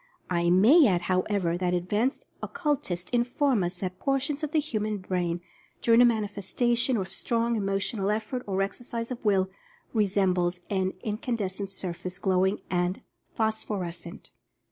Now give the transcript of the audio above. I may add, however, that ad vanced occultists inform us that portions of the hu man brain, during a manifestation of strong emo tional effort, or exercise of Will, resembles an incan descent surface, glowing and phosphorescent.